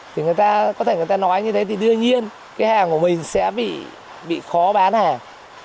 thì người ta có thể người ta nói như thế thì đương nhiên cái hàng của mình sẽ bị khó bán hàng